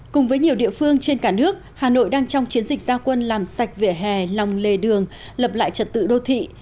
cùng với nhiều địa phương trên cả nước hà nội đang trong chiến dịch gia quân làm sạch vỉa hè lòng lề đường lập lại trật tự đô thị